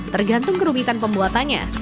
tergantung kerumitan pembuatannya